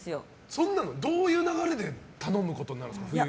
そんなのどういう流れで頼むことになるんですか。